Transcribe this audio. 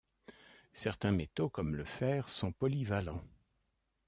Certains métaux comme le fer sont polyvalents.